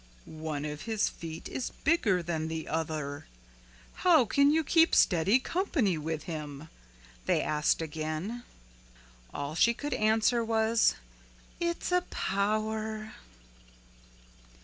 "One of his feet is bigger than the other how can you keep steady company with him?" they asked again. All she would answer was, "It's a power."